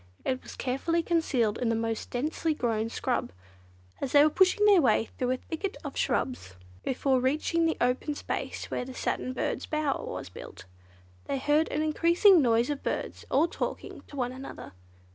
It was carefully concealed in the most densely grown scrub. As they were pushing their way through a thicket of shrubs, before reaching the open space where the Satin Birds' bower was built, they heard an increasing noise of birds all talking to one another.